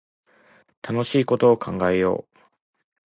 楽しいこと考えよう